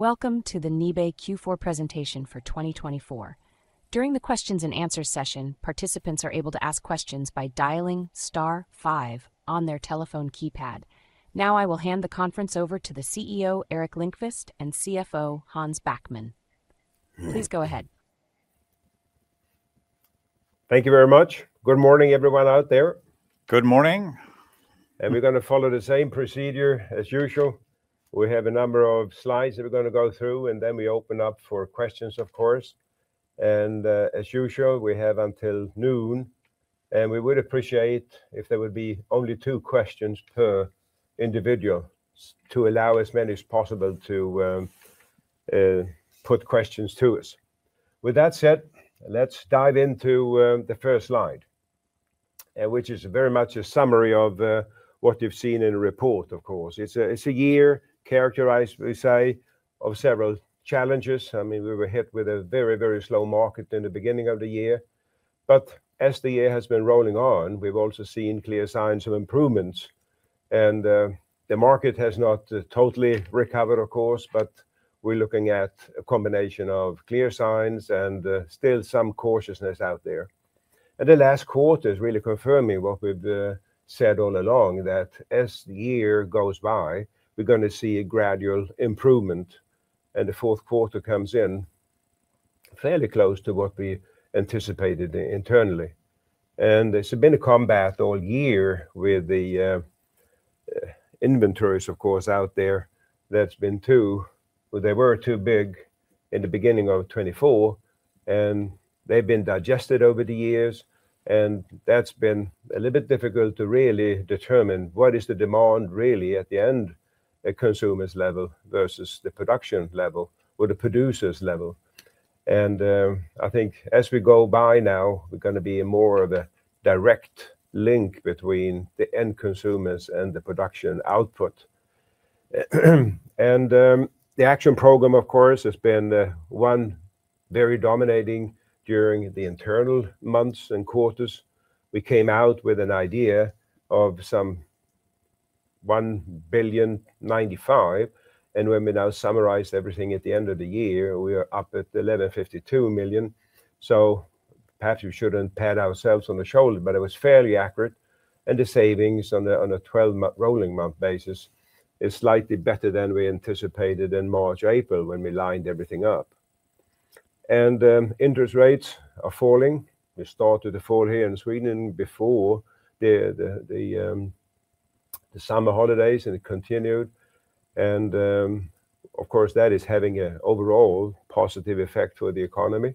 Welcome to the NIBE Q4 presentation for 2024. During the Q&A session, participants are able to ask questions by dialing star five on their telephone keypad. Now I will hand the conference over to the CEO, Eric Linkvist, and CFO, Hans Backman. Please go ahead. Thank you very much. Good morning, everyone out there. Good morning. And we're going to follow the same procedure as usual. We have a number of slides that we're going to go through, and then we open up for questions, of course. And as usual, we have until noon, and we would appreciate if there would be only two questions per individual to allow as many as possible to put questions to us. With that said, let's dive into the first slide, which is very much a summary of what you've seen in the report, of course. It's a year characterized, we say, of several challenges. I mean, we were hit with a very, very slow market in the beginning of the year. But as the year has been rolling on, we've also seen clear signs of improvements. The market has not totally recovered, of course, but we're looking at a combination of clear signs and still some cautiousness out there. The last quarter is really confirming what we've said all along, that as the year goes by, we're going to see a gradual improvement. The fourth quarter comes in fairly close to what we anticipated internally. There's been a combat all year with the inventories, of course, out there. There's been too. They were too big in the beginning of 2024, and they've been digested over the years. That's been a little bit difficult to really determine what is the demand really at the end, at consumers' level versus the production level or the producers' level. I think as we go by now, we're going to be in more of a direct link between the end consumers and the production output. The action program, of course, has been one very dominating during the internal months and quarters. We came out with an idea of some $1.95 billion. When we now summarize everything at the end of the year, we are up at $11.52 million. So perhaps we shouldn't pat ourselves on the back, but it was fairly accurate. The savings on a 12-month rolling month basis is slightly better than we anticipated in March-April when we lined everything up. Interest rates are falling. They started to fall here in Sweden before the summer holidays, and it continued. Of course, that is having an overall positive effect for the economy.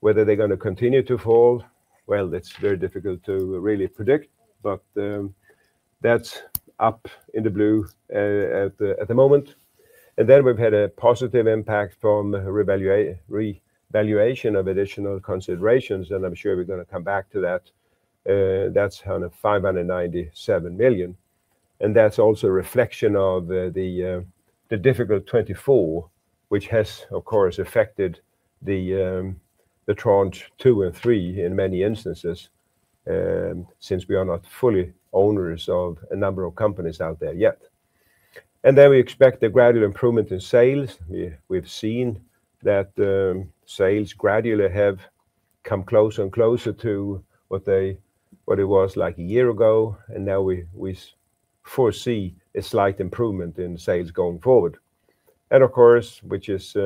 Whether they're going to continue to fall, well, it's very difficult to really predict, but that's up in the air at the moment. And then we've had a positive impact from revaluation of additional considerations, and I'm sure we're going to come back to that. That's on a $597 million. And that's also a reflection of the difficult 2024, which has, of course, affected the tranche two and three in many instances since we are not fully owners of a number of companies out there yet. And then we expect a gradual improvement in sales. We've seen that sales gradually have come closer and closer to what it was like a year ago, and now we foresee a slight improvement in sales going forward. And of course, which is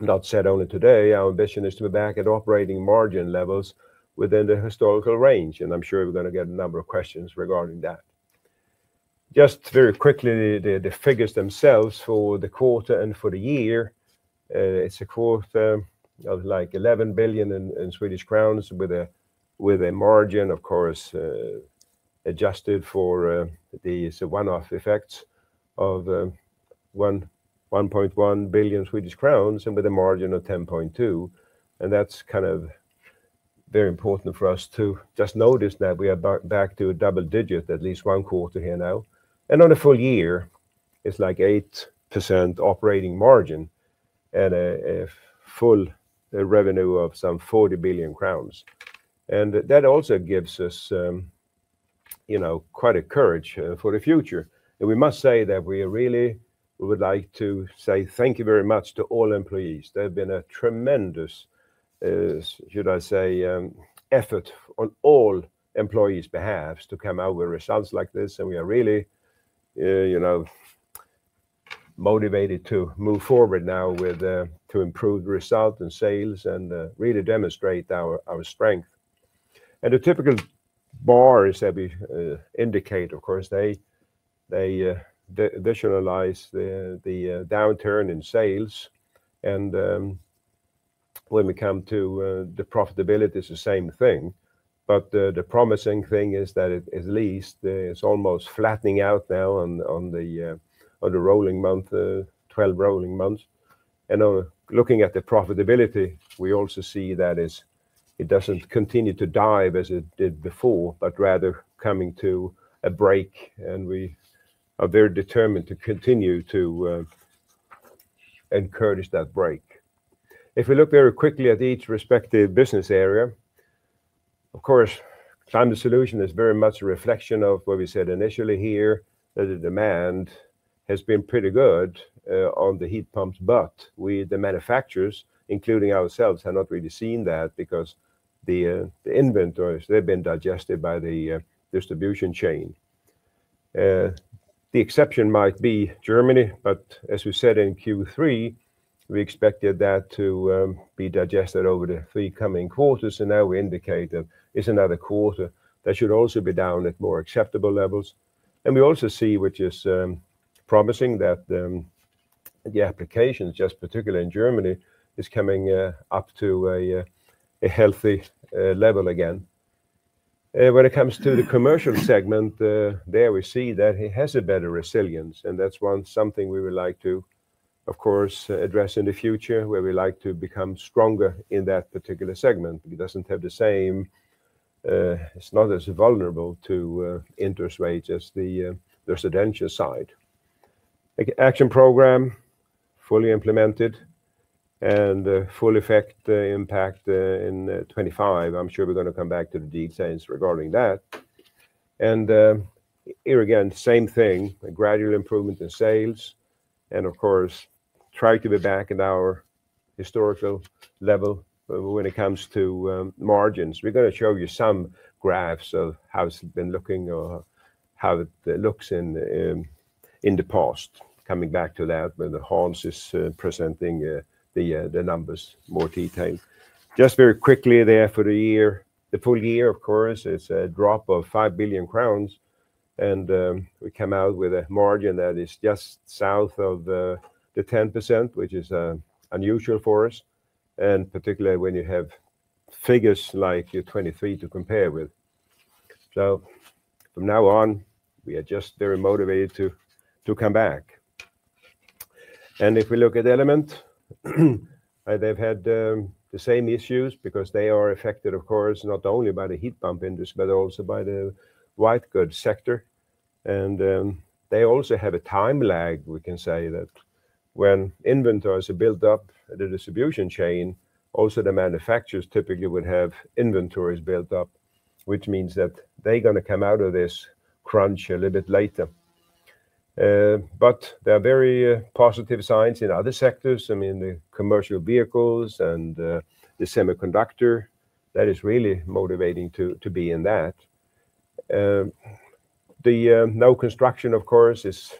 not said only today, our ambition is to be back at operating margin levels within the historical range, and I'm sure we're going to get a number of questions regarding that. Just very quickly, the figures themselves for the quarter and for the year, it's a quarter of like 11 billion in Swedish crowns with a margin, of course, adjusted for these one-off effects of 1.1 billion Swedish crowns and with a margin of 10.2%. And that's kind of very important for us to just notice that we are back to a double digit, at least one quarter here now. And on a full year, it's like 8% operating margin and a full revenue of some 40 billion crowns. And that also gives us quite a courage for the future. And we must say that we really would like to say thank you very much to all employees. There have been a tremendous, should I say, effort on all employees' behalves to come out with results like this. And we are really motivated to move forward now to improve the result and sales and really demonstrate our strength. And the typical bars that we indicate, of course, they visualize the downturn in sales. And when we come to the profitability, it's the same thing. But the promising thing is that at least it's almost flattening out now on the rolling 12 months. And looking at the profitability, we also see that it doesn't continue to dive as it did before, but rather coming to a break. And we are very determined to continue to encourage that break. If we look very quickly at each respective business area, of course, Climate Solutions is very much a reflection of what we said initially here, that the demand has been pretty good on the heat pumps, but the manufacturers, including ourselves, have not really seen that because the inventories, they've been digested by the distribution chain. The exception might be Germany, but as we said in Q3, we expected that to be digested over the three coming quarters. And now we indicate that it's another quarter that should also be down at more acceptable levels. And we also see, which is promising, that the applications, just particularly in Germany, are coming up to a healthy level again. When it comes to the commercial segment, there we see that it has a better resilience. That's something we would like to, of course, address in the future, where we like to become stronger in that particular segment. It doesn't have the same; it's not as vulnerable to interest rates as the residential side. Action program, fully implemented and full effect impact in 2025. I'm sure we're going to come back to the details regarding that. Here again, same thing, a gradual improvement in sales. And of course, try to be back at our historical level when it comes to margins. We're going to show you some graphs of how it's been looking or how it looks in the past, coming back to that when Hans is presenting the numbers more detailed. Just very quickly there for the year, the full year, of course, it's a drop of 5 billion crowns. We come out with a margin that is just south of 10%, which is unusual for us, particularly when you have figures like 2023 to compare with. From now on, we are just very motivated to come back. If we look at Element, they have had the same issues because they are affected, of course, not only by the heat pump industry, but also by the white goods sector. They also have a time lag, we can say, that when inventories are built up at the distribution chain, also the manufacturers typically would have inventories built up, which means that they are going to come out of this crunch a little bit later. There are very positive signs in other sectors. I mean, the commercial vehicles and the semiconductor, that is really motivating to be in that. The low construction, of course, is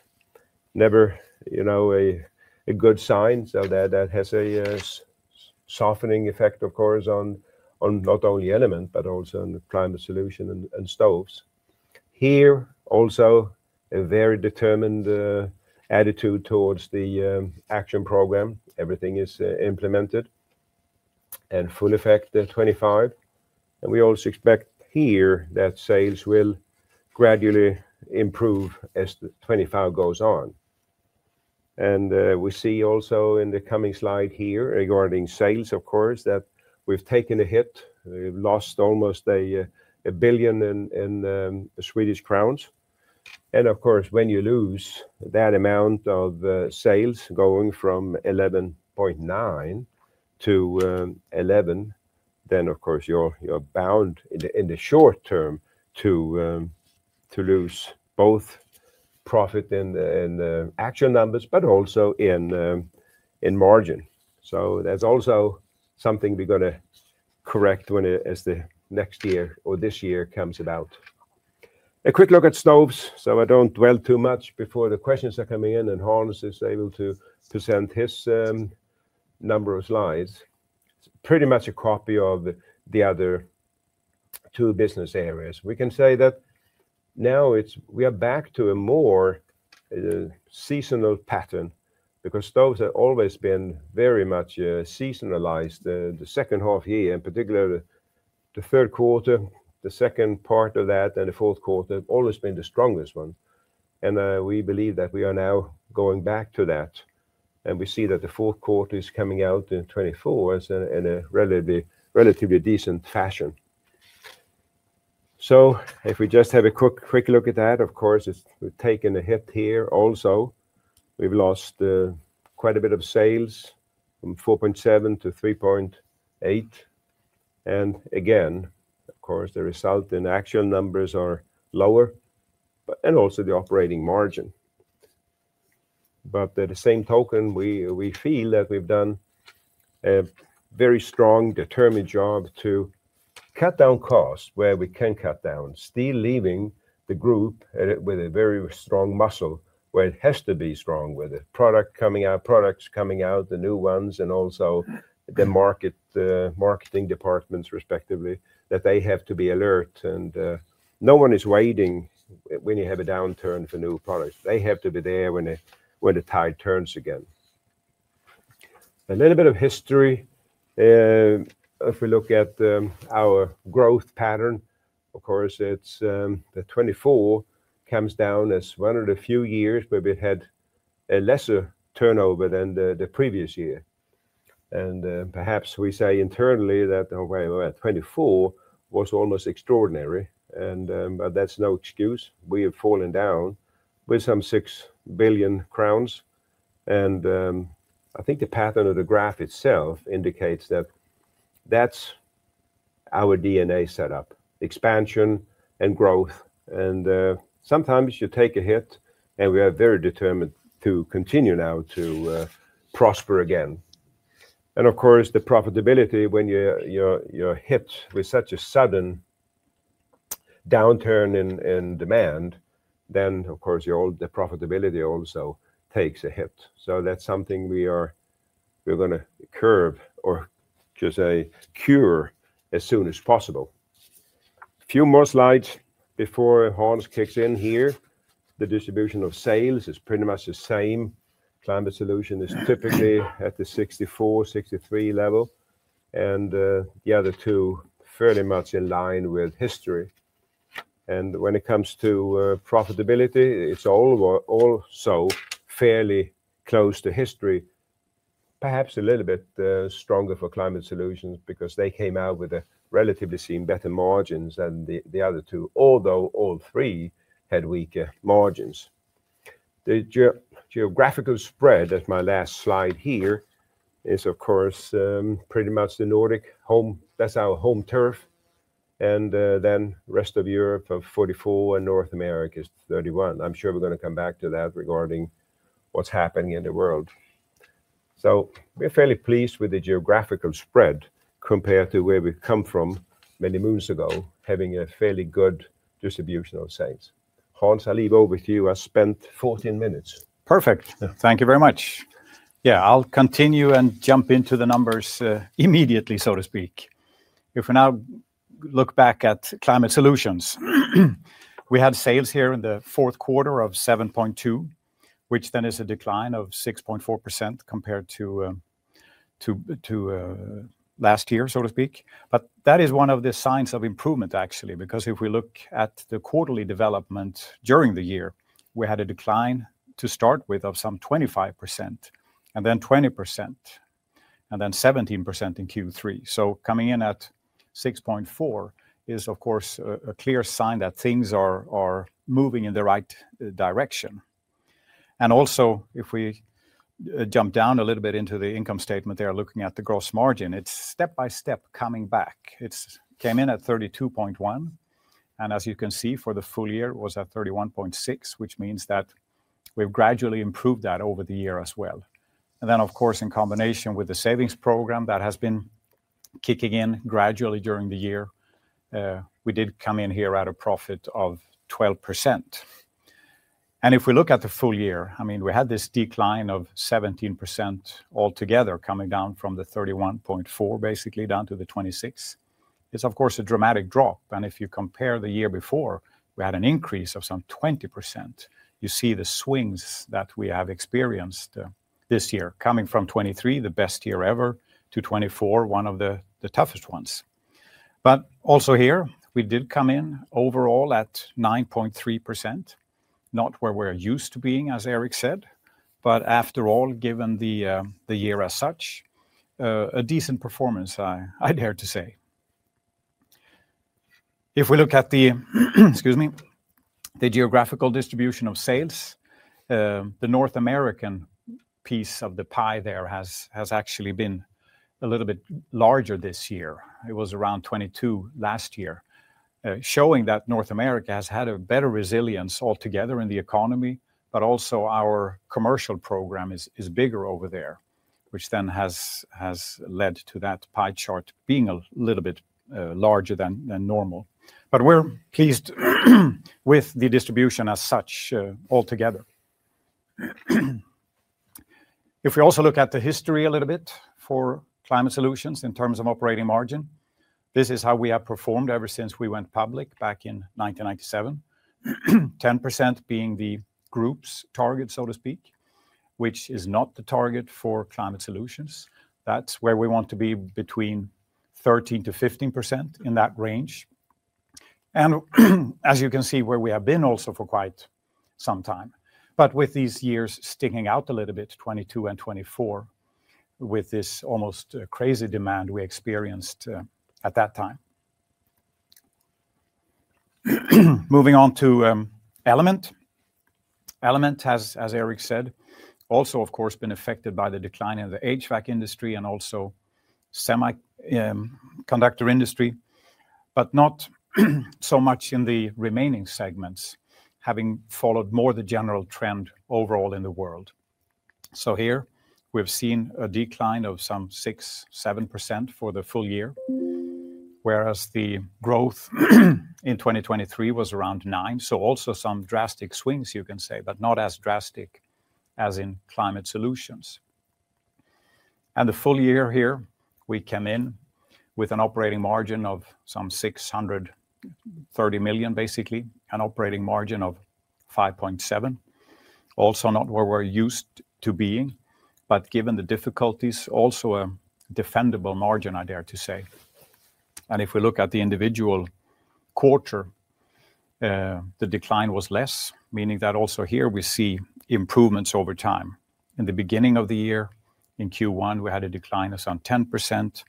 never a good sign. So that has a softening effect, of course, on not only Element, but also on the climate solution and stoves. Here, also a very determined attitude towards the action program. Everything is implemented and full effect 2025. And we also expect here that sales will gradually improve as 2025 goes on. And we see also in the coming slide here regarding sales, of course, that we've taken a hit. We've lost almost 1 billion. And of course, when you lose that amount of sales going from 11.9% to 11%, then of course, you're bound in the short term to lose both profit and action numbers, but also in margin. So that's also something we're going to correct as the next year or this year comes about. A quick look at stoves. So, I don't dwell too much before the questions are coming in, and Hans is able to present his number of slides. It's pretty much a copy of the other two business areas. We can say that now we are back to a more seasonal pattern because stoves have always been very much seasonalized. The second half year, in particular, the third quarter, the second part of that, and the fourth quarter have always been the strongest ones. We believe that we are now going back to that. We see that the fourth quarter is coming out in 2024 in a relatively decent fashion. If we just have a quick look at that, of course, we've taken a hit here also. We've lost quite a bit of sales from 4.7%-3.8%. And again, of course, the result in actual numbers are lower, and also the operating margin. But at the same token, we feel that we've done a very strong determined job to cut down costs where we can cut down, still leaving the group with a very strong muscle where it has to be strong with the product coming out, products coming out, the new ones, and also the marketing departments, respectively, that they have to be alert. And no one is waiting when you have a downturn for new products. They have to be there when the tide turns again. A little bit of history. If we look at our growth pattern, of course, the 2024 comes down as one of the few years where we had lesser turnover than the previous year. And perhaps we say internally that 2024 was almost extraordinary, but that's no excuse. We have fallen down with some 6 billion crowns. And I think the pattern of the graph itself indicates that that's our DNA setup, expansion and growth. And sometimes you take a hit, and we are very determined to continue now to prosper again. And of course, the profitability when you're hit with such a sudden downturn in demand, then of course, the profitability also takes a hit. So that's something we are going to curb or just a cure as soon as possible. A few more slides before Hans kicks in here. The distribution of sales is pretty much the same. Climate Solutions is typically at the 64%-63% level. And the other two fairly much in line with history. When it comes to profitability, it's also fairly close to history, perhaps a little bit stronger for Climate Solutions because they came out with relatively seen better margins than the other two, although all three had weaker margins. The geographical spread at my last slide here is, of course, pretty much the Nordic home. That's our home turf. And then the rest of Europe of 44% and North America is 31%. I'm sure we're going to come back to that regarding what's happening in the world. So we're fairly pleased with the geographical spread compared to where we've come from many moons ago, having a fairly good distribution of sales. Hans, I'll leave over to you. I spent 14 minutes. Perfect. Thank you very much. Yeah, I'll continue and jump into the numbers immediately, so to speak. If we now look back at Climate Solutions, we had sales here in the fourth quarter of 7.2%, which then is a decline of 6.4% compared to last year, so to speak, but that is one of the signs of improvement, actually, because if we look at the quarterly development during the year, we had a decline to start with of some 25% and then 20% and then 17% in Q3, so coming in at 6.4% is, of course, a clear sign that things are moving in the right direction. And also, if we jump down a little bit into the income statement there, looking at the gross margin, it's step by step coming back. It came in at 32.1%. And as you can see, for the full year, it was at 31.6%, which means that we've gradually improved that over the year as well. And then, of course, in combination with the savings program that has been kicking in gradually during the year, we did come in here at a profit of 12%. And if we look at the full year, I mean, we had this decline of 17% altogether coming down from the 31.4, basically down to the 26. It's, of course, a dramatic drop. And if you compare the year before, we had an increase of some 20%. You see the swings that we have experienced this year coming from 2023, the best year ever, to 2024, one of the toughest ones. But also here, we did come in overall at 9.3%, not where we're used to being, as Erik said, but after all, given the year as such, a decent performance, I dare to say. If we look at the, excuse me, the geographical distribution of sales, the North American piece of the pie there has actually been a little bit larger this year. It was around 22% last year, showing that North America has had a better resilience altogether in the economy, but also our commercial program is bigger over there, which then has led to that pie chart being a little bit larger than normal. But we're pleased with the distribution as such altogether. If we also look at the history a little bit for Climate Solutions in terms of operating margin, this is how we have performed ever since we went public back in 1997, 10% being the group's target, so to speak, which is not the target for Climate Solutions. That's where we want to be between 13%-15% in that range. And as you can see, where we have been also for quite some time, but with these years sticking out a little bit, 2022 and 2024, with this almost crazy demand we experienced at that time. Moving on to Element. Element has, as Erik said, also, of course, been affected by the decline in the HVAC industry and also semiconductor industry, but not so much in the remaining segments, having followed more the general trend overall in the world. So here, we've seen a decline of some 6%-7% for the full year, whereas the growth in 2023 was around 9%. So also some drastic swings, you can say, but not as drastic as in climate solutions. And the full year here, we came in with an operating margin of some 630 million, basically an operating margin of 5.7%, also not where we're used to being, but given the difficulties, also a defendable margin, I dare to say. And if we look at the individual quarter, the decline was less, meaning that also here we see improvements over time. In the beginning of the year, in Q1, we had a decline of some 10%.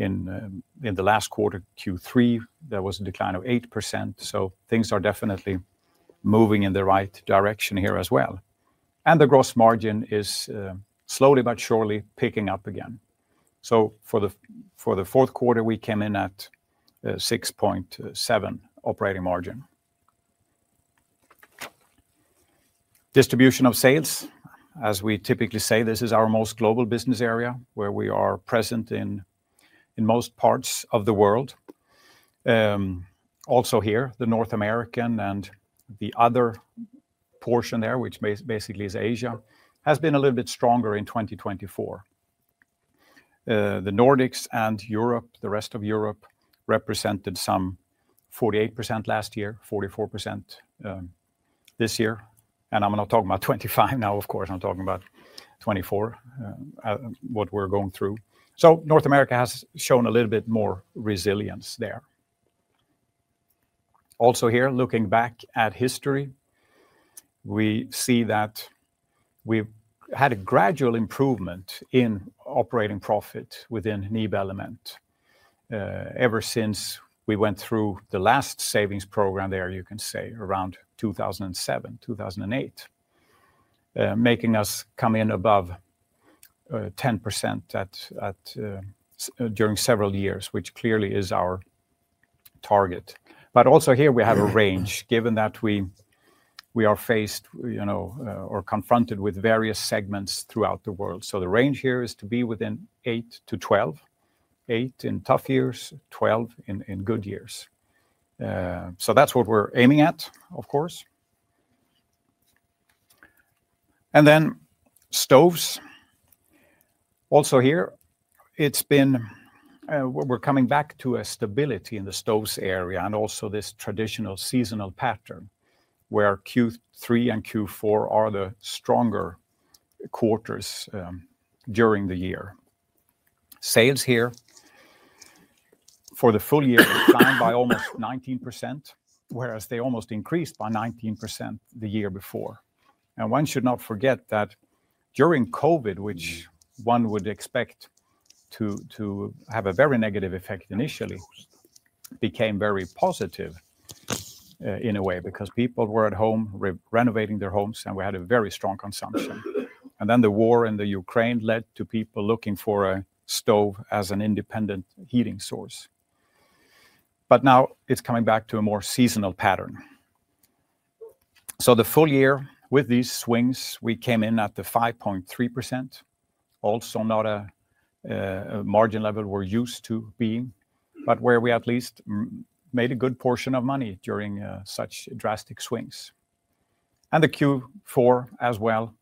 In the last quarter, Q3, there was a decline of 8%. So things are definitely moving in the right direction here as well. And the gross margin is slowly but surely picking up again. So for the fourth quarter, we came in at 6.7% operating margin. Distribution of sales, as we typically say, this is our most global business area where we are present in most parts of the world. Also here, the North America and the other portion there, which basically is Asia, has been a little bit stronger in 2024. The Nordics and Europe, the rest of Europe represented some 48% last year, 44% this year. I'm not talking about 25 now, of course. I'm talking about 24, what we're going through. North America has shown a little bit more resilience there. Also here, looking back at history, we see that we've had a gradual improvement in operating profit within Nibe Element ever since we went through the last savings program there, you can say, around 2007, 2008, making us come in above 10% during several years, which clearly is our target. We have a range, given that we are faced or confronted with various segments throughout the world. The range here is to be within 8%-12%, 8% in tough years, 12% in good years. That's what we're aiming at, of course, and then stoves. Also here, it's. We're coming back to a stability in the stoves area and also this traditional seasonal pattern where Q3 and Q4 are the stronger quarters during the year. Sales here for the full year climbed by almost 19%, whereas they almost increased by 19% the year before. One should not forget that during COVID, which one would expect to have a very negative effect initially, became very positive in a way because people were at home renovating their homes and we had a very strong consumption. Then the war in Ukraine led to people looking for a stove as an independent heating source. Now it's coming back to a more seasonal pattern. So the full year with these swings, we came in at the 5.3%, also not a margin level we're used to being, but where we at least made a good portion of money during such drastic swings. And the Q4 as well,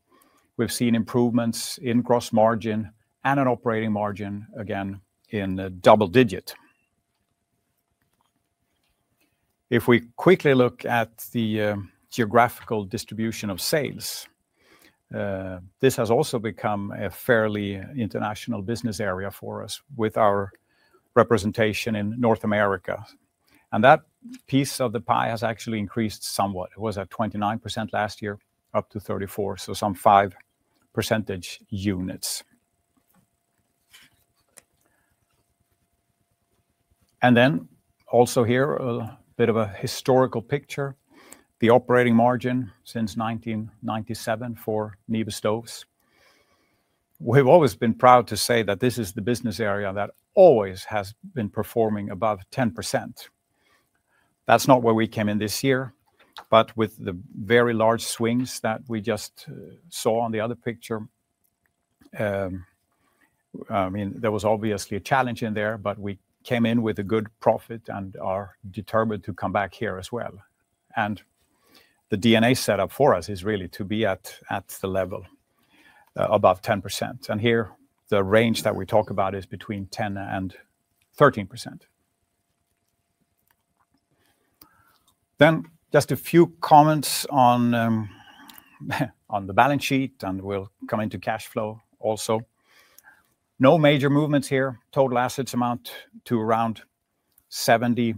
we've seen improvements in gross margin and an operating margin again in double digit. If we quickly look at the geographical distribution of sales, this has also become a fairly international business area for us with our representation in North America. And that piece of the pie has actually increased somewhat. It was at 29% last year, up to 34%, so some 5 percentage units. And then also here, a bit of a historical picture. The operating margin since 1997 for NIBE Stoves. We've always been proud to say that this is the business area that always has been performing above 10%. That's not where we came in this year, but with the very large swings that we just saw on the other picture. I mean, there was obviously a challenge in there, but we came in with a good profit and are determined to come back here as well. And the DNA setup for us is really to be at the level above 10%. And here, the range that we talk about is between 10% and 13%. Then just a few comments on the balance sheet and we'll come into cash flow also. No major movements here. Total assets amount to around 70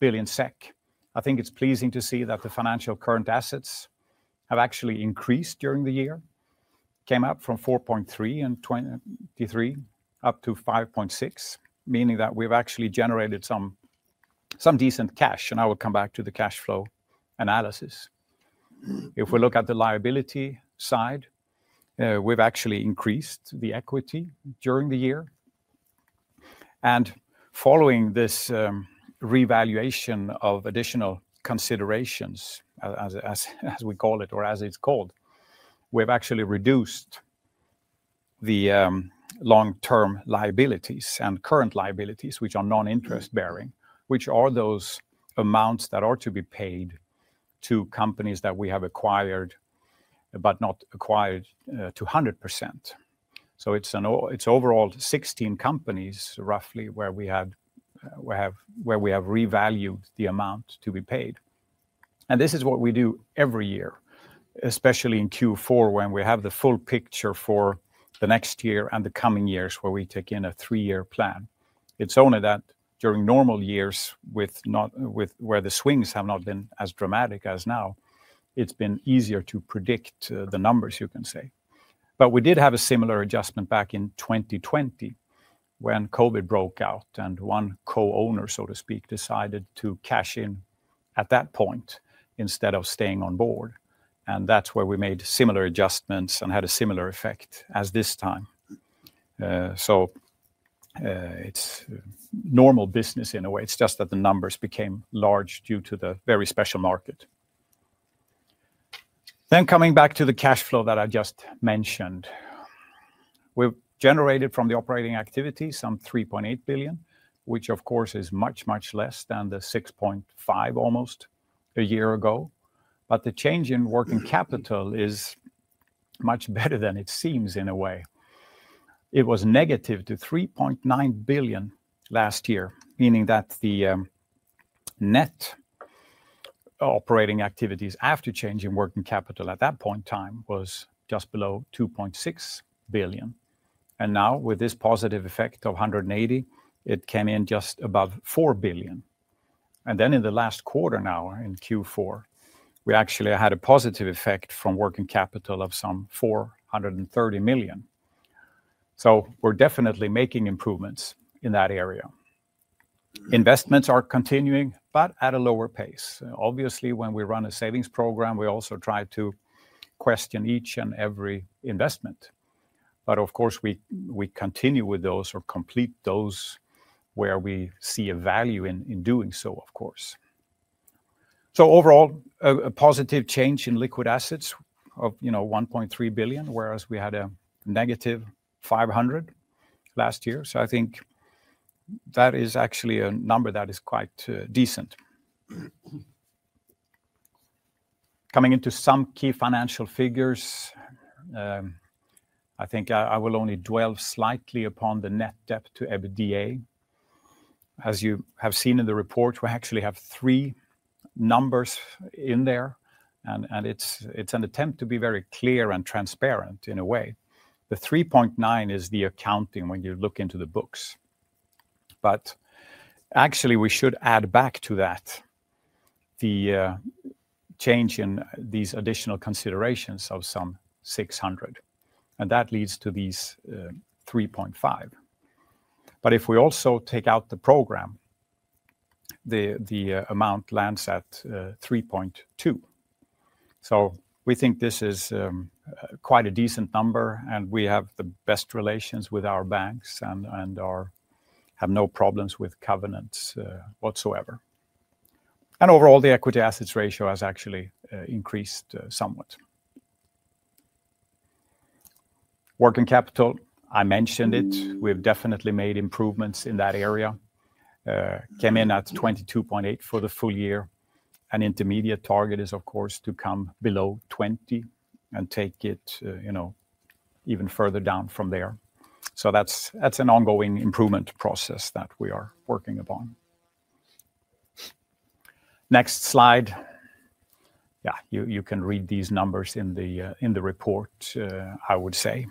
billion SEK. I think it's pleasing to see that the financial current assets have actually increased during the year. Came up from 4.3% in 2023 up to 5.6%, meaning that we've actually generated some decent cash. And I will come back to the cash flow analysis. If we look at the liability side, we've actually increased the equity during the year. And following this revaluation of additional considerations, as we call it or as it's called, we've actually reduced the long-term liabilities and current liabilities, which are non-interest bearing, which are those amounts that are to be paid to companies that we have acquired, but not acquired to 100%. So it's overall 16 companies roughly where we have revalued the amount to be paid. And this is what we do every year, especially in Q4 when we have the full picture for the next year and the coming years where we take in a three-year plan. It's only that during normal years where the swings have not been as dramatic as now, it's been easier to predict the numbers, you can say. But we did have a similar adjustment back in 2020 when COVID broke out and one co-owner, so to speak, decided to cash in at that point instead of staying on board. And that's where we made similar adjustments and had a similar effect as this time. So it's normal business in a way. It's just that the numbers became large due to the very special market. Then coming back to the cash flow that I just mentioned, we've generated from the operating activity some 3.8 billion, which of course is much, much less than the 6.5 almost a year ago. But the change in working capital is much better than it seems in a way. It was negative to 3.9 billion last year, meaning that the net operating activities after change in working capital at that point in time was just below 2.6 billion. And now with this positive effect of 180, it came in just above 4 billion. And then in the last quarter now in Q4, we actually had a positive effect from working capital of some 430 million. So we're definitely making improvements in that area. Investments are continuing, but at a lower pace. Obviously, when we run a savings program, we also try to question each and every investment. But of course, we continue with those or complete those where we see a value in doing so, of course. So overall, a positive change in liquid assets of 1.3 billion, whereas we had a negative 500 last year. So I think that is actually a number that is quite decent. Coming into some key financial figures, I think I will only dwell slightly upon the net debt to EBITDA. As you have seen in the report, we actually have three numbers in there, and it's an attempt to be very clear and transparent in a way. The 3.9% is the accounting when you look into the books, but actually, we should add back to that the change in these additional considerations of some 600, and that leads to these 3.5%, but if we also take out the program, the amount lands at 3.2%, so we think this is quite a decent number and we have the best relations with our banks and have no problems with covenants whatsoever, and overall, the equity assets ratio has actually increased somewhat. Working capital, I mentioned it. We've definitely made improvements in that area. Came in at 22.8% for the full year. An intermediate target is, of course, to come below 20% and take it even further down from there. That's an ongoing improvement process that we are working upon. Next slide. Yeah, you can read these numbers in the report, I would say.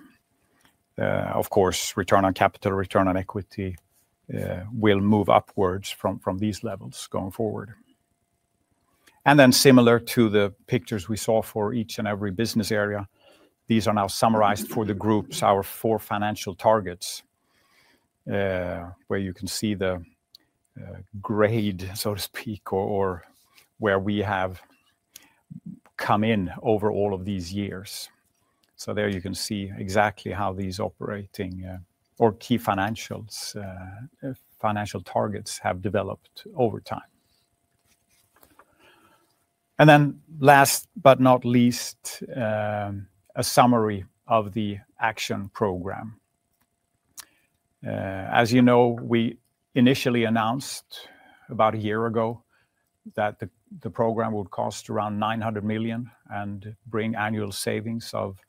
Of course, Return on Capital, Return on Equity will move upwards from these levels going forward. Then similar to the pictures we saw for each and every business area, these are now summarized for the groups, our four financial targets, where you can see the grade, so to speak, or where we have come in over all of these years. There you can see exactly how these operating or key financial targets have developed over time. Then last but not least, a summary of the Action Program. As you know, we initially announced about a year ago that the program would cost around 900 million and bring annual savings of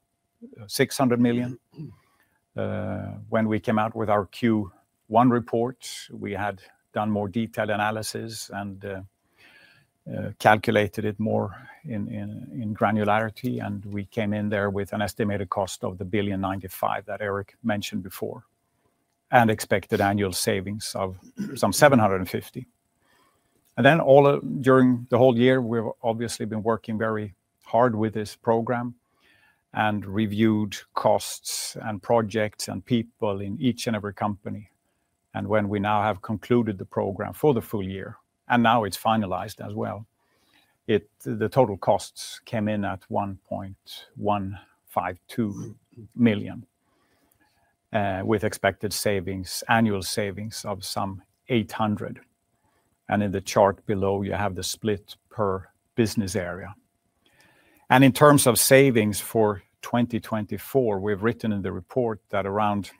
600 million. When we came out with our Q1 report, we had done more detailed analysis and calculated it more in granularity. And we came in there with an estimated cost of 1.095 billion that Erik mentioned before and expected annual savings of some 750 million. And then during the whole year, we've obviously been working very hard with this program and reviewed costs and projects and people in each and every company. And when we now have concluded the program for the full year, and now it's finalized as well, the total costs came in at 1.152 million with expected savings, annual savings of some 800 million. And in the chart below, you have the split per business area. And in terms of savings for 2024, we've written in the report that around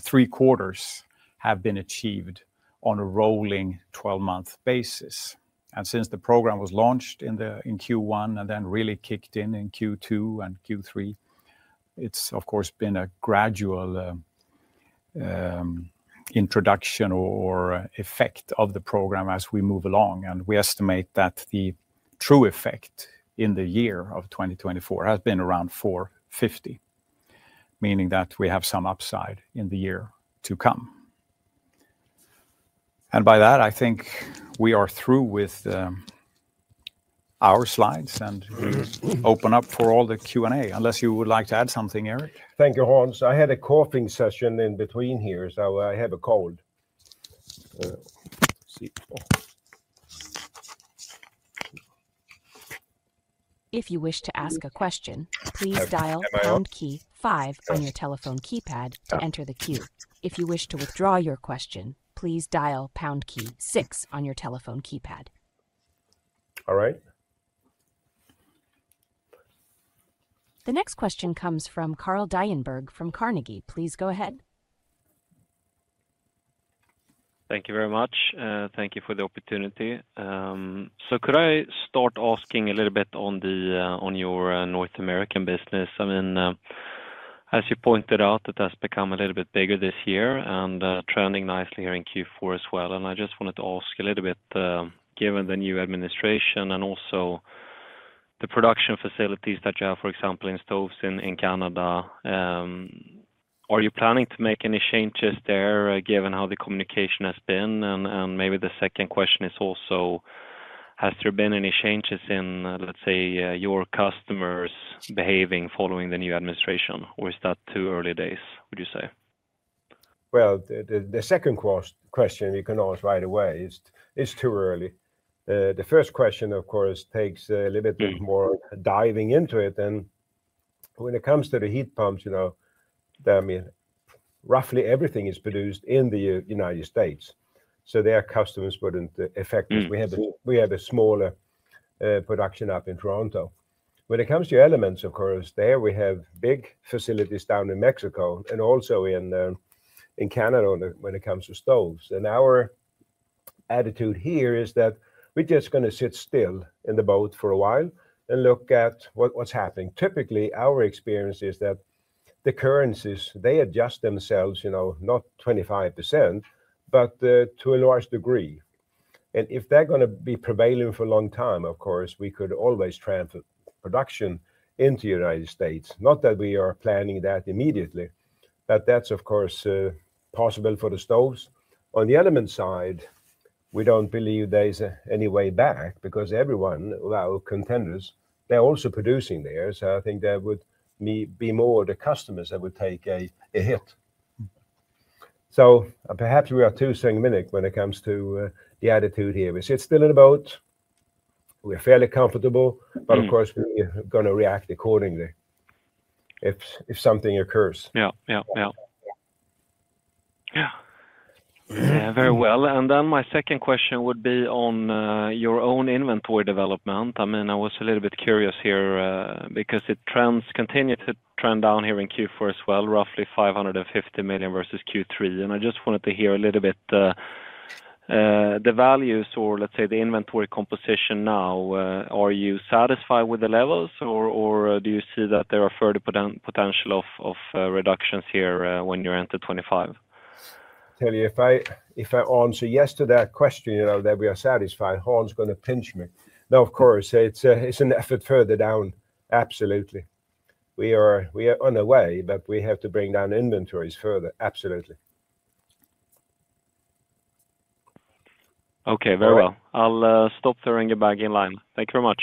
three quarters have been achieved on a rolling 12-month basis. And since the program was launched in Q1 and then really kicked in in Q2 and Q3, it's of course been a gradual introduction or effect of the program as we move along. And we estimate that the true effect in the year of 2024 has been around 450, meaning that we have some upside in the year to come. And by that, I think we are through with our slides and we open up for all the Q&A unless you would like to add something, Eric. Thank you, Hans. I had a coughing session in between here, so I have a cold. If you wish to ask a question, please dial pound key five on your telephone keypad to enter the queue. If you wish to withdraw your question, please dial pound key six on your telephone keypad. All right. The next question comes from Carl Dienberg from Carnegie. Please go ahead. Thank you very much. Thank you for the opportunity. So could I start asking a little bit on your North American business? I mean, as you pointed out, it has become a little bit bigger this year and trending nicely here in Q4 as well. And I just wanted to ask a little bit, given the new administration and also the production facilities that you have, for example, in stoves in Canada, are you planning to make any changes there given how the communication has been? And maybe the second question is also, has there been any changes in, let's say, your customers behaving following the new administration, or is that too early days, would you say? Well, the second question you can ask right away is too early. The first question, of course, takes a little bit more diving into it. And when it comes to the heat pumps, I mean, roughly everything is produced in the United States. So their customers wouldn't affect it. We have a smaller production up in Toronto. When it comes to elements, of course, there we have big facilities down in Mexico and also in Canada when it comes to stoves. And our attitude here is that we're just going to sit still in the boat for a while and look at what's happening. Typically, our experience is that the currencies, they adjust themselves, not 25%, but to a large degree. And if they're going to be prevailing for a long time, of course, we could always transfer production into the United States. Not that we are planning that immediately, but that's, of course, possible for the stoves. On the element side, we don't believe there's any way back because everyone, well, contenders, they're also producing there. So I think there would be more of the customers that would take a hit. So perhaps we are too cynical when it comes to the attitude here. We sit still in the boat. We're fairly comfortable, but of course, we're going to react accordingly if something occurs. Yeah, yeah, yeah. Yeah. Very well. And then my second question would be on your own inventory development. I mean, I was a little bit curious here because it continued to trend down here in Q4 as well, roughly 550 million versus Q3. And I just wanted to hear a little bit the values or, let's say, the inventory composition now. Are you satisfied with the levels or do you see that there are further potential of reductions here when you're into 2025? Tell you, if I answer yes to that question, that we are satisfied, Hans is going to pinch me. No, of course, it's an effort further down. Absolutely. We are on the way, but we have to bring down inventories further. Absolutely. Okay, very well. I'll stop throwing you back in line. Thank you very much.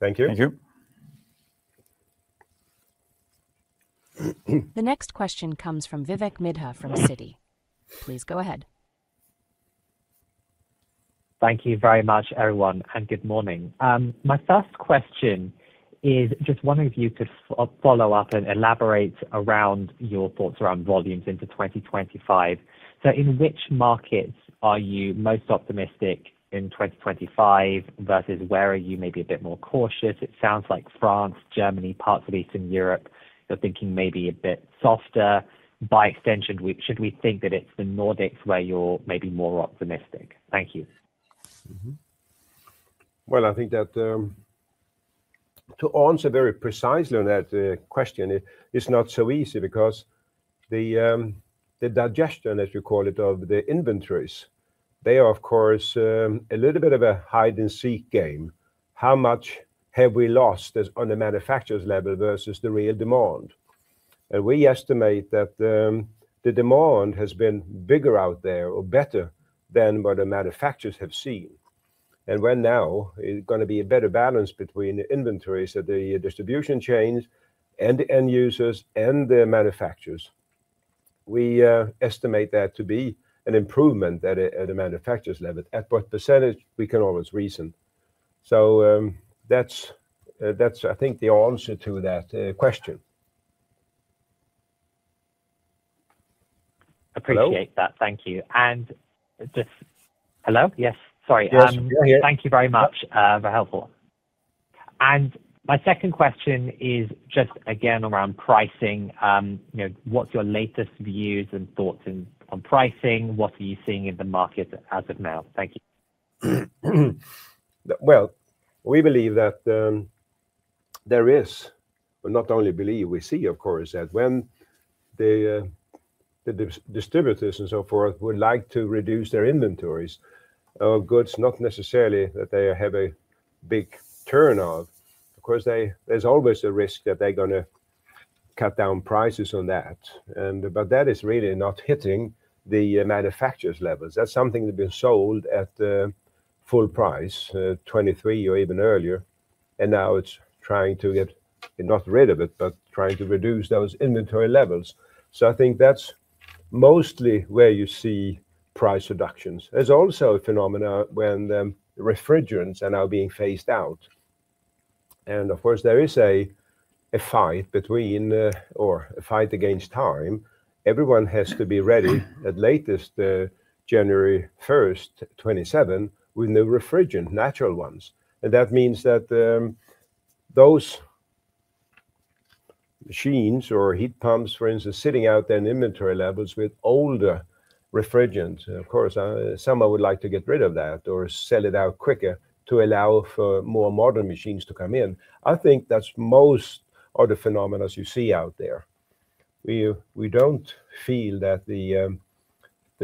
Thank you. Thank you. The next question comes from Vivek Midha from Citi. Please go ahead. Thank you very much, everyone, and good morning. My first question is just wondering if you could follow up and elaborate around your thoughts around volumes into 2025. So in which markets are you most optimistic in 2025 versus where are you maybe a bit more cautious? It sounds like France, Germany, parts of Eastern Europe. You're thinking maybe a bit softer. By extension, should we think that it's the Nordics where you're maybe more optimistic? Thank you. I think that to answer very precisely on that question, it's not so easy because the digestion, as you call it, of the inventories, they are, of course, a little bit of a hide-and-seek game. How much have we lost on the manufacturers' level versus the real demand? And we estimate that the demand has been bigger out there or better than what the manufacturers have seen. And when now is it going to be a better balance between the inventories at the distribution chains and the end users and the manufacturers? We estimate that to be an improvement at the manufacturers' level at what percentage we can always reason. So that's, I think, the answer to that question. Hello? Appreciate that. Thank you. And just hello? Yes. Sorry. Thank you very much for helpful. And my second question is just again around pricing. What's your latest views and thoughts on pricing? What are you seeing in the market as of now? Thank you. Well, we believe that there is, but not only believe, we see, of course, that when the distributors and so forth would like to reduce their inventories of goods, not necessarily that they have a big turn of, of course, there's always a risk that they're going to cut down prices on that. But that is really not hitting the manufacturers' levels. That's something that has been sold at full price, 2023 or even earlier. And now it's trying to get not rid of it, but trying to reduce those inventory levels. So I think that's mostly where you see price reductions. There's also a phenomenon when refrigerants are now being phased out. And of course, there is a fight against time. Everyone has to be ready at latest January 1st, 2027, with new refrigerants, natural ones. And that means that those machines or heat pumps, for instance, sitting out there in inventory levels with older refrigerants, of course, someone would like to get rid of that or sell it out quicker to allow for more modern machines to come in. I think that's most of the phenomena you see out there. We don't feel that the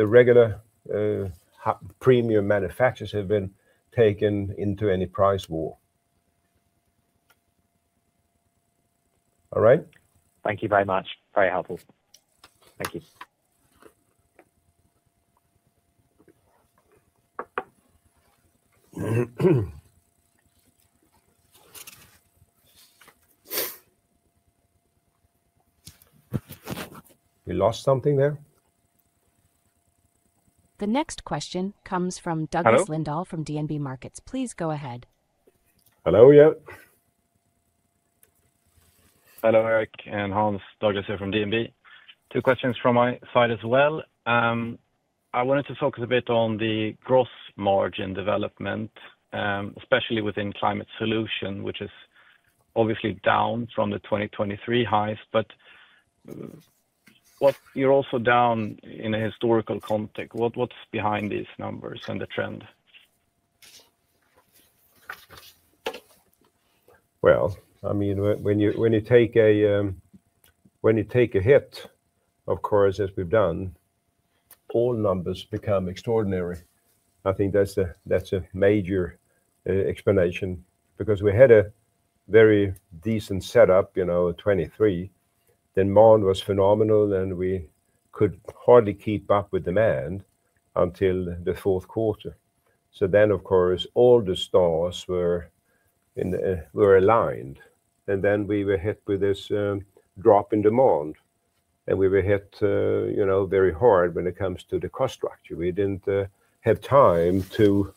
regular premium manufacturers have been taken into any price war. All right? Thank you very much. Very helpful. Thank you. We lost something there? The next question comes from Douglas Lindahl from DNB Markets. Please go ahead. Hello. Yeah. Hello, Erik. And Hans. Douglas here from DNB. Two questions from my side as well. I wanted to focus a bit on the gross margin development, especially within Climate Solutions, which is obviously down from the 2023 highs. But you're also down in a historical context. What's behind these numbers and the trend? Well, I mean, when you take a hit, of course, as we've done, all numbers become extraordinary. I think that's a major explanation because we had a very decent setup in 2023. Then demand was phenomenal, and we could hardly keep up with demand until the fourth quarter. So then, of course, all the stars were aligned. And then we were hit with this drop in demand. And we were hit very hard when it comes to the cost structure. We didn't have time to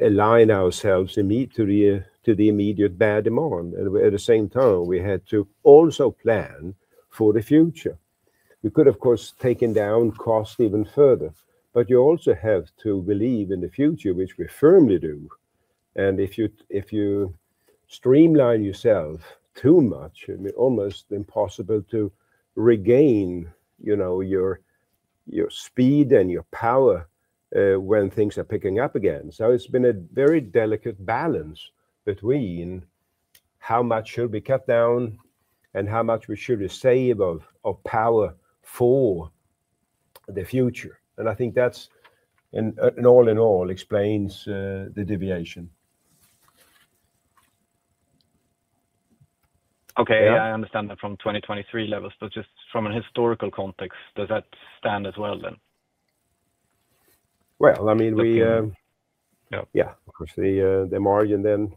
align ourselves immediately to the bad demand. And at the same time, we had to also plan for the future. We could, of course, take down costs even further. But you also have to believe in the future, which we firmly do. If you streamline yourself too much, it's almost impossible to regain your speed and your power when things are picking up again. It's been a very delicate balance between how much should we cut down and how much we should save of power for the future. I think that's, all in all, explains the deviation. Okay. I understand that from 2023 levels, but just from a historical context, does that stand as well then? I mean, yeah, of course, the margin then.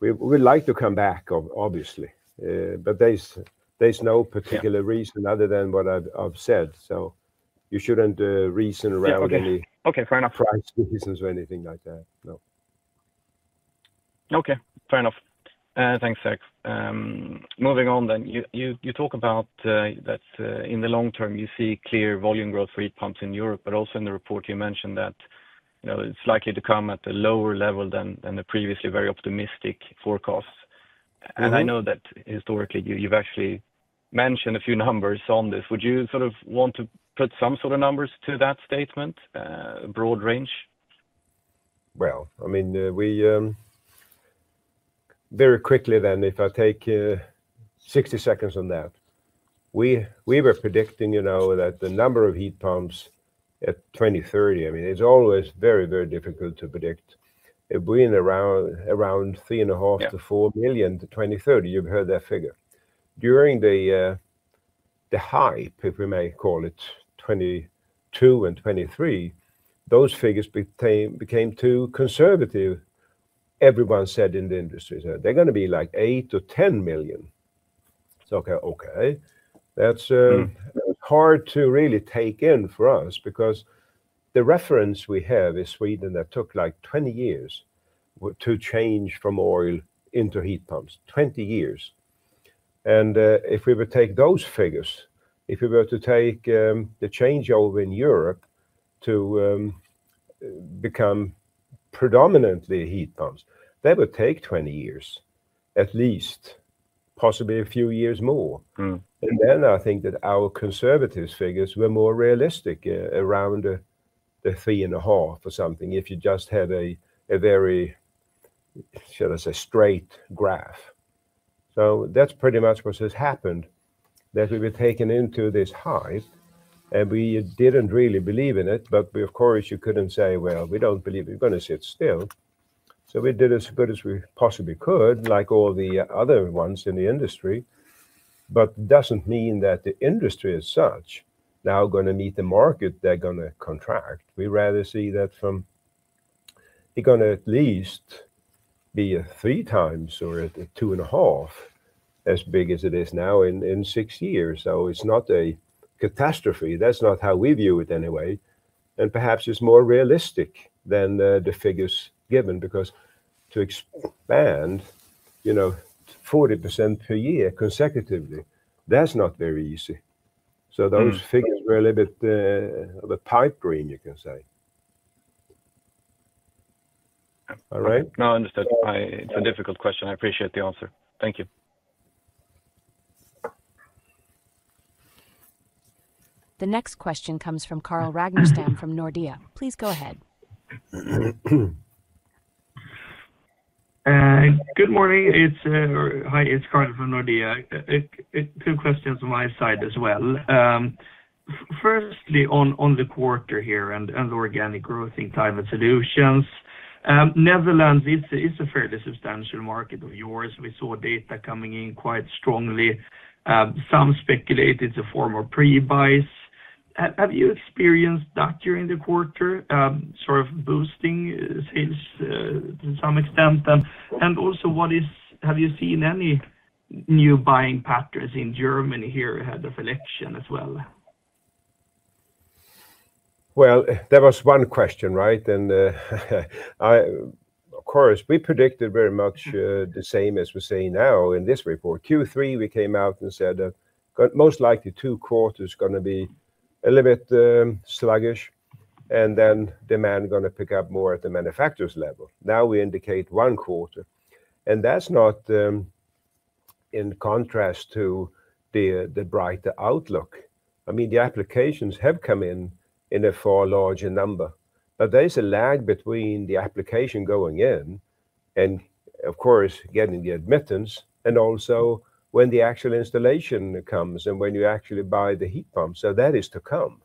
We'd like to come back, obviously. There's no particular reason other than what I've said. You shouldn't reason around any price reasons or anything like that. No. Okay. Fair enough. Thanks, Erik. Moving on then, you talk about that in the long term, you see clear volume growth for heat pumps in Europe, but also in the report, you mentioned that it's likely to come at a lower level than the previously very optimistic forecasts. I know that historically, you've actually mentioned a few numbers on this. Would you sort of want to put some sort of numbers to that statement, a broad range? Well, I mean, very quickly then, if I take 60 seconds on that, we were predicting that the number of heat pumps at 2030, I mean, it's always very, very difficult to predict. We're in around three and a half to four million to 2030. You've heard that figure. During the hype, if we may call it 2022 and 2023, those figures became too conservative. Everyone said in the industry, they're going to be like 8 to 10 million. It's okay. Okay. That's hard to really take in for us because the reference we have is Sweden that took like 20 years to change from oil into heat pumps, 20 years, and if we were to take those figures, if we were to take the change over in Europe to become predominantly heat pumps, that would take 20 years at least, possibly a few years more. And then I think that our conservative figures were more realistic around the three and a half or something if you just had a very, shall I say, straight graph. So that's pretty much what has happened, that we were taken into this hype, and we didn't really believe in it, but of course, you couldn't say, well, we don't believe you're going to sit still. So we did as good as we possibly could, like all the other ones in the industry. But it doesn't mean that the industry as such now going to meet the market they're going to contract. We'd rather see that from it going to at least be a three times or a two and a half as big as it is now in six years. So it's not a catastrophe. That's not how we view it anyway. And perhaps it's more realistic than the figures given because to expand 40% per year consecutively, that's not very easy. So those figures were a little bit of a pipe dream, you can say. All right? No, I understood. It's a difficult question. I appreciate the answer. Thank you. The next question comes from Carl Ragnestam from Nordea. Please go ahead. Good morning. Hi, it's Carl from Nordea. Two questions on my side as well. Firstly, on the quarter here and the organic growth in climate solutions, Netherlands, it's a fairly substantial market of yours. We saw data coming in quite strongly. Some speculate it's a form of pre-buys. Have you experienced that during the quarter, sort of boosting sales to some extent? And also, have you seen any new buying patterns in Germany here ahead of election as well? Well, there was one question, right? And of course, we predicted very much the same as we're seeing now in this report. Q3, we came out and said that most likely two quarters is going to be a little bit sluggish, and then demand is going to pick up more at the manufacturers' level. Now we indicate one quarter. And that's not in contrast to the brighter outlook. I mean, the applications have come in in a far larger number. But there's a lag between the application going in and, of course, getting the admittance, and also when the actual installation comes and when you actually buy the heat pumps. So that is to come.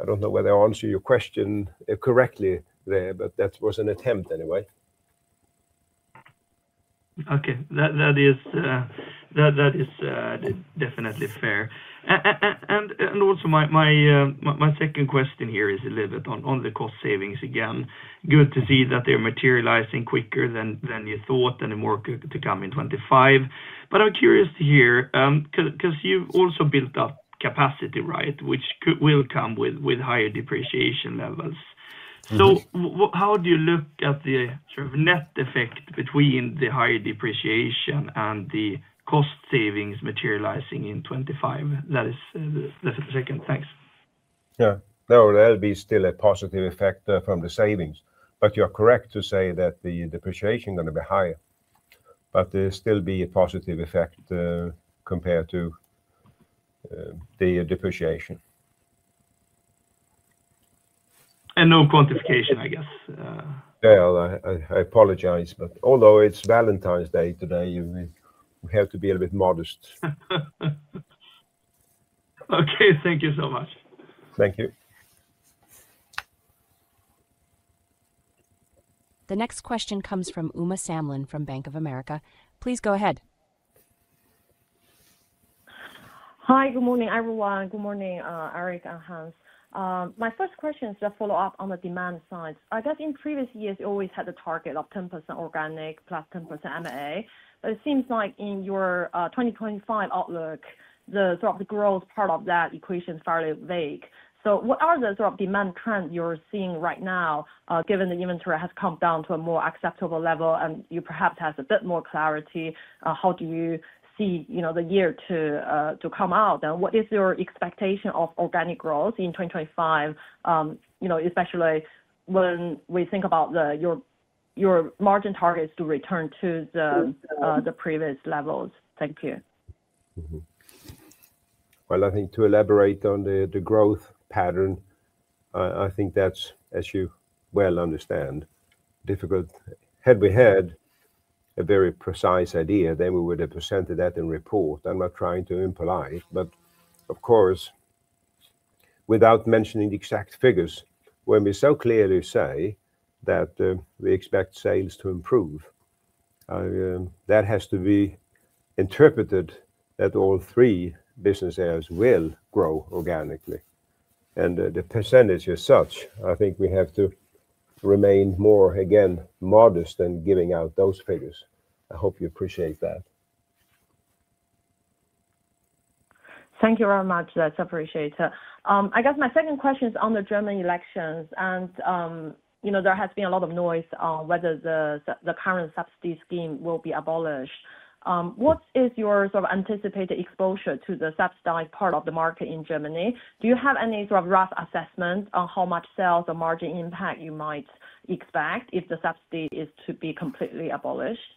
I don't know whether I answered your question correctly there, but that was an attempt anyway. Okay. That is definitely fair. And also, my second question here is a little bit on the cost savings again. Good to see that they're materializing quicker than you thought and are more quick to come in 2025. But I'm curious to hear because you've also built up capacity, right, which will come with higher depreciation levels. So how do you look at the sort of net effect between the higher depreciation and the cost savings materializing in 2025? That's the second. Thanks. Yeah. No, there'll be still a positive effect from the savings. But you're correct to say that the depreciation is going to be higher. But there'll still be a positive effect compared to the depreciation. And no quantification, I guess. Well, I apologize, but although it's Valentine's Day today, we have to be a little bit modest. Okay. Thank you so much. Thank you. The next question comes from Uma Samlin from Bank of America. Please go ahead. Hi. Good morning, everyone. Good morning, Eric, and Hans. My first question is to follow up on the demand side. I guess in previous years, you always had a target of 10% organic plus 10% M&A. But it seems like in your 2025 outlook, the growth part of that equation is fairly vague. So what are the sort of demand trends you're seeing right now, given the inventory has come down to a more acceptable level and you perhaps have a bit more clarity? How do you see the year to come out? And what is your expectation of organic growth in 2025, especially when we think about your margin targets to return to the previous levels? Thank you. Well, I think to elaborate on the growth pattern, I think that's, as you well understand, difficult. Had we had a very precise idea, then we would have presented that in the report. I'm not trying to be impolite. But of course, without mentioning the exact figures, when we so clearly say that we expect sales to improve, that has to be interpreted that all three business areas will grow organically. And the percentage is such. I think we have to remain more, again, modest in giving out those figures. I hope you appreciate that. Thank you very much. That's appreciated. I guess my second question is on the German elections. And there has been a lot of noise on whether the current subsidy scheme will be abolished. What is your sort of anticipated exposure to the subsidized part of the market in Germany? Do you have any sort of rough assessment on how much sales or margin impact you might expect if the subsidy is to be completely abolished?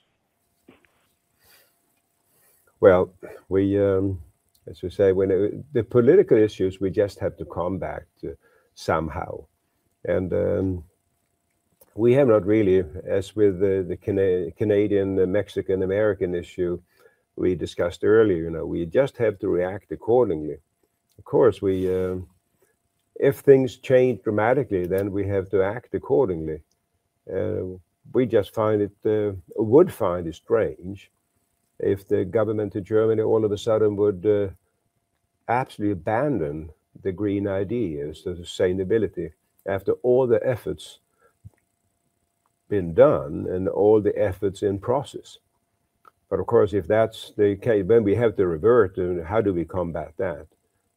Well, as we say, the political issues, we just have to combat somehow. And we have not really, as with the Canadian, Mexican, American issue we discussed earlier, we just have to react accordingly. Of course, if things change dramatically, then we have to act accordingly. We just find it, would find it strange if the government of Germany all of a sudden would absolutely abandon the green ideas of sustainability after all the efforts been done and all the efforts in process. But of course, if that's the case, then we have to revert, and how do we combat that?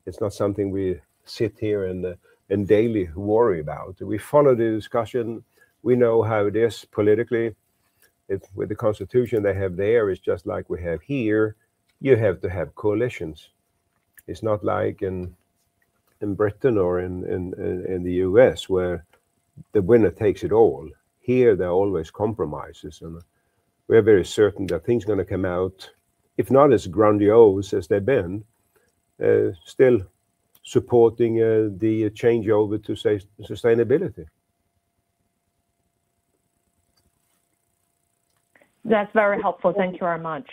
It's not something we sit here and daily worry about. We follow the discussion. We know how it is politically. With the constitution they have there, it's just like we have here. You have to have coalitions. It's not like in Britain or in the U.S. where the winner takes it all. Here, there are always compromises. And we're very certain that things are going to come out, if not as grandiose as they've been, still supporting the changeover to sustainability. That's very helpful. Thank you very much.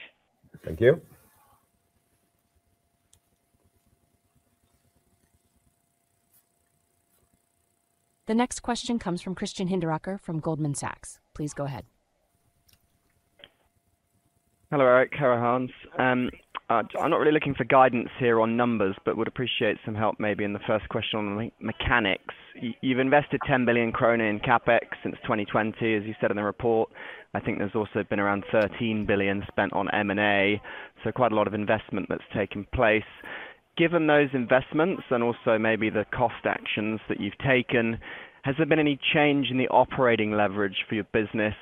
Thank you. The next question comes from Christian Hinderaker from Goldman Sachs. Please go ahead. Hello, Eric, hello, Hans. I'm not really looking for guidance here on numbers, but would appreciate some help maybe in the first question on mechanics. You've invested 10 billion krona in CapEx since 2020, as you said in the report. I think there's also been around 13 billion spent on M&A. So quite a lot of investment that's taken place. Given those investments and also maybe the cost actions that you've taken, has there been any change in the operating leverage for your business?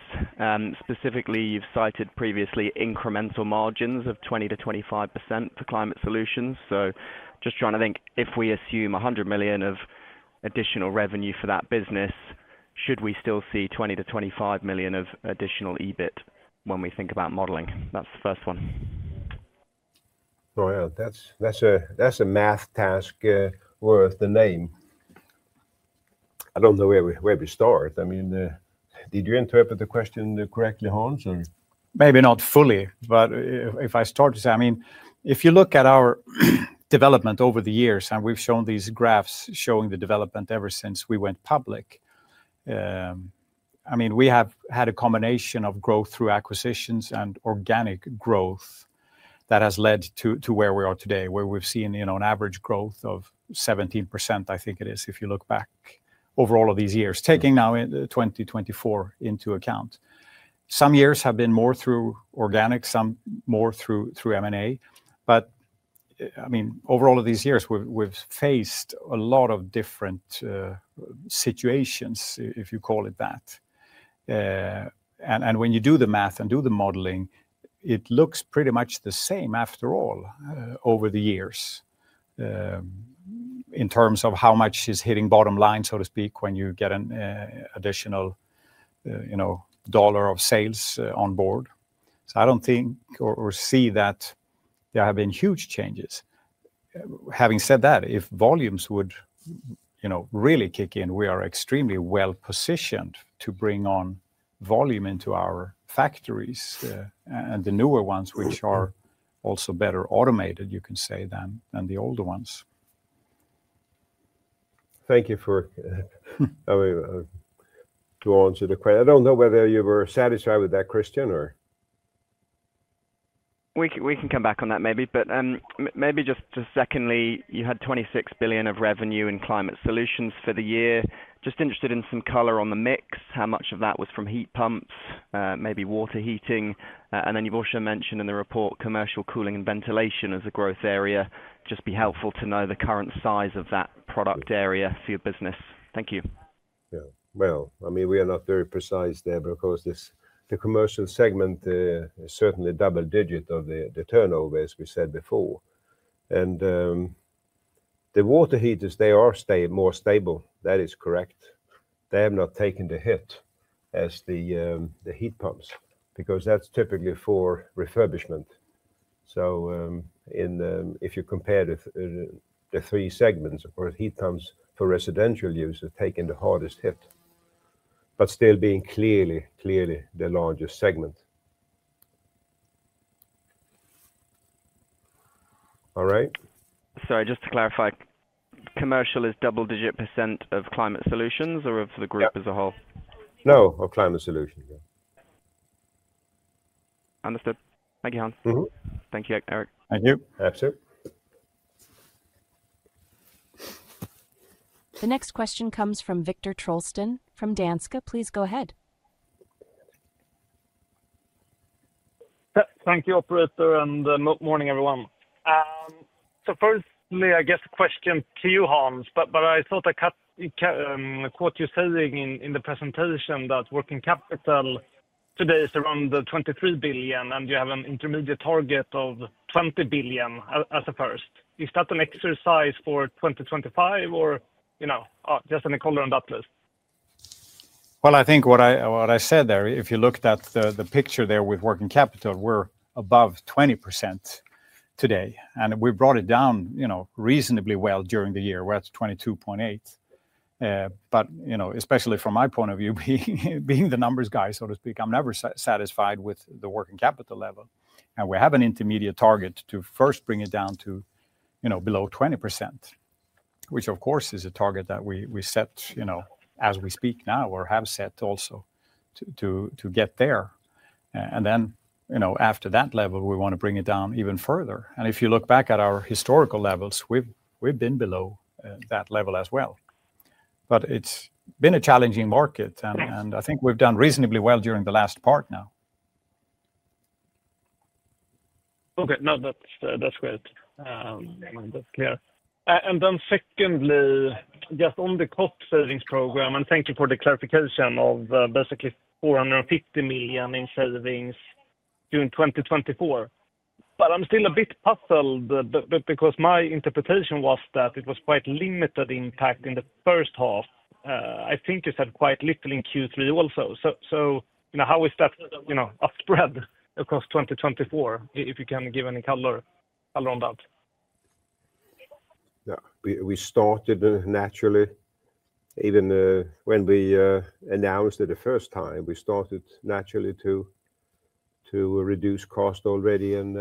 Specifically, you've cited previously incremental margins of 20%-25% for climate solutions. So just trying to think, if we assume 100 million of additional revenue for that business, should we still see 20 million-25 million of additional EBIT when we think about modeling? That's the first one. That's a math task worth the name. I don't know where we start. I mean, did you interpret the question correctly, Hans? Maybe not fully, but if I start to say, I mean, if you look at our development over the years, and we've shown these graphs showing the development ever since we went public, I mean, we have had a combination of growth through acquisitions and organic growth that has led to where we are today, where we've seen an average growth of 17%, I think it is, if you look back over all of these years, taking now 2024 into account. Some years have been more through organic, some more through M&A. But I mean, over all of these years, we've faced a lot of different situations, if you call it that. And when you do the math and do the modeling, it looks pretty much the same after all over the years in terms of how much is hitting bottom line, so to speak, when you get an additional dollar of sales on board. So I don't think or see that there have been huge changes. Having said that, if volumes would really kick in, we are extremely well positioned to bring on volume into our factories and the newer ones, which are also better automated, you can say, than the older ones. Thank you for answering the question. I don't know whether you were satisfied with that, Christian, or. We can come back on that maybe. But maybe just secondly, you had 26 billion of revenue in Climate Solutions for the year. Just interested in some color on the mix, how much of that was from heat pumps, maybe water heating. And then you've also mentioned in the report commercial cooling and ventilation as a growth area. Just be helpful to know the current size of that product area for your business. Thank you. Yeah. Well, I mean, we are not very precise there, but of course, the commercial segment is certainly double-digit of the turnover, as we said before. And the water heaters, they are more stable. That is correct. They have not taken the hit as the heat pumps because that's typically for refurbishment. So if you compare the three segments, of course, heat pumps for residential use have taken the hardest hit, but still being clearly the largest segment. All right? Sorry, just to clarify, commercial is double-digit % of Climate Solutions or of the group as a whole? No, of Climate Solutions. Understood. Thank you, Hans. Thank you, Eric. Thank you. Absolutely. The next question comes from Viktor Trollsten from Danske. Please go ahead. Thank you, Operator, and good morning, everyone. So firstly, I guess the question to you, Hans, but I thought I caught you saying in the presentation that working capital today is around 23 billion, and you have an intermediate target of 20 billion as a first. Is that an exercise for 2025, or just any color on that list? Well, I think what I said there, if you looked at the picture there with working capital, we're above 20% today. And we brought it down reasonably well during the year. We're at 22.8%. But especially from my point of view, being the numbers guy, so to speak, I'm never satisfied with the working capital level. And we have an intermediate target to first bring it down to below 20%, which, of course, is a target that we set as we speak now or have set also to get there. And then after that level, we want to bring it down even further. And if you look back at our historical levels, we've been below that level as well. But it's been a challenging market, and I think we've done reasonably well during the last part now. Okay. No, that's great. That's clear. And then secondly, just on the cost savings program, I'm thanking for the clarification of basically 450 million in savings during 2024. But I'm still a bit puzzled because my interpretation was that it was quite limited impact in the first half. I think you said quite little in Q3 also. So how is that spread across 2024, if you can give any color on that? Yeah. We started naturally. Even when we announced it the first time, we started naturally to reduce cost already in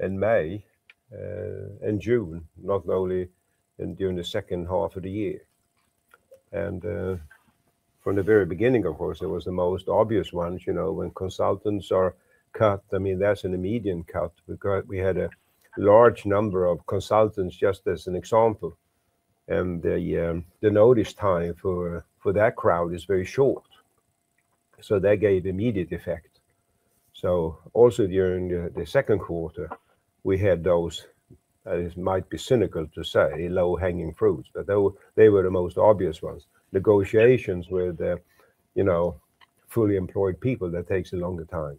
May and June, not only during the second half of the year. And from the very beginning, of course, it was the most obvious one. When consultants are cut, I mean, that's an immediate cut because we had a large number of consultants, just as an example. And the notice time for that crowd is very short So that gave immediate effect. So also during the second quarter, we had those; it might be cynical to say, low-hanging fruits, but they were the most obvious ones. Negotiations with fully employed people, that takes a longer time.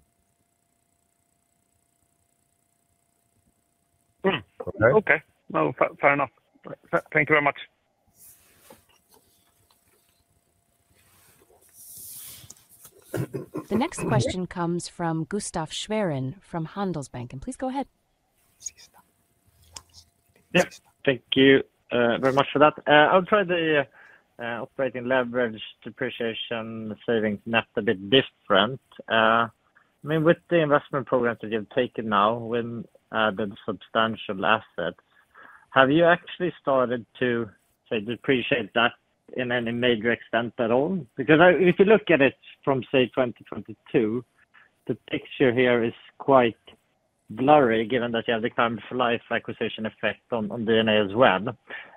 Okay. Fair enough. Thank you very much. The next question comes from Gustaf Schwerin from Handelsbanken. Please go ahead. Thank you very much for that. Outside the operating leverage, depreciation, savings net a bit different. I mean, with the investment programs that you've taken now, which added substantial assets, have you actually started to depreciate that in any major extent at all? Because if you look at it from, say, 2022, the picture here is quite blurry, given that you have the Climate for Life acquisition effect on EBITDA as well.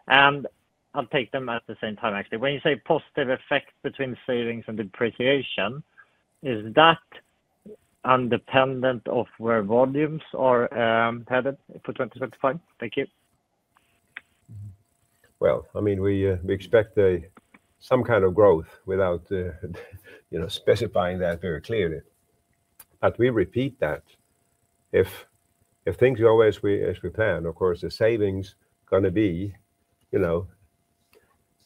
And I'll take them at the same time, actually. When you say positive effect between savings and depreciation, is that independent of where volumes are headed for 2025? Thank you. Well, I mean, we expect some kind of growth without specifying that very clearly. But we repeat that. If things go as we plan, of course, the savings are going to be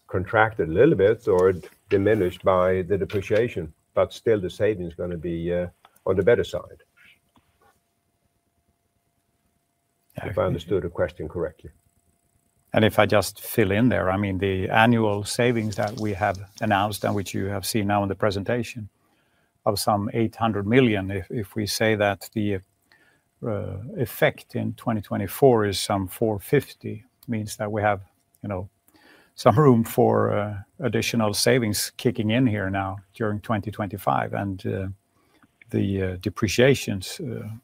contracted a little bit or diminished by the depreciation, but still the savings are going to be on the better side. If I understood the question correctly. And if I just fill in there, I mean, the annual savings that we have announced and which you have seen now in the presentation of some 800 million, if we say that the effect in 2024 is some 450 million, means that we have some room for additional savings kicking in here now during 2025, and the depreciations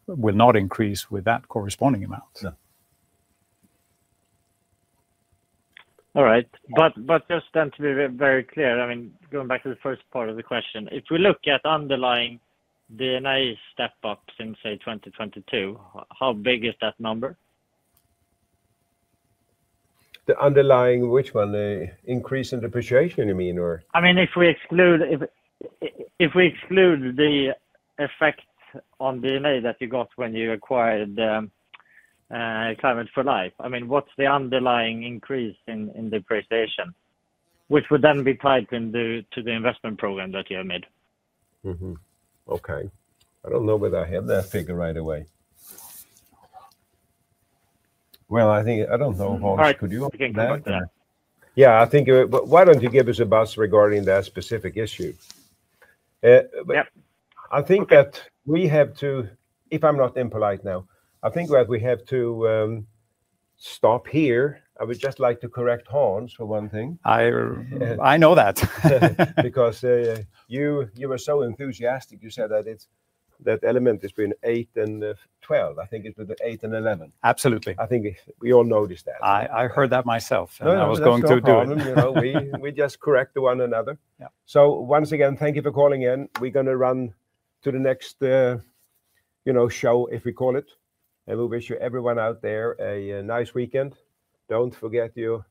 will not increase with that corresponding amount. All right. But just then to be very clear, I mean, going back to the first part of the question, if we look at underlying EBITDA step-ups in, say, 2022, how big is that number? The underlying which one? Increase in depreciation, you mean, or? I mean, if we exclude the effect on EBITDA that you got when you acquired Climate for Life, I mean, what's the underlying increase in depreciation, which would then be tied to the investment program that you have made? Okay. I don't know whether I have that figure right away. Well, I don't know. Could you explain that? Yeah. I think, why don't you give us a buzz regarding that specific issue? I think that we have to, if I'm not impolite now, I think that we have to stop here. I would just like to correct Hans for one thing. I know that. Because you were so enthusiastic. You said that element has been eight and 12. I think it's with the eight and 11. Absolutely. I think we all noticed that. I heard that myself. I was going to do it. We just correct one another. So once again, thank you for calling in. We're going to run to the next show, if we call it. And we wish everyone out there a nice weekend. Don't forget your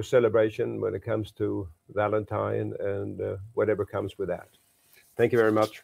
celebration when it comes to Valentine and whatever comes with that. Thank you very much.